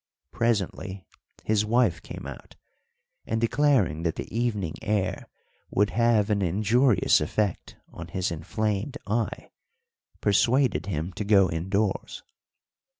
Presently his wife came out, and, declaring that the evening air would have an injurious effect on his inflamed eye, persuaded him to go indoors.